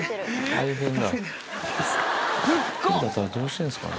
１人だったら、どうしてるんですかね。